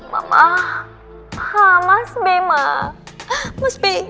mama mas be emak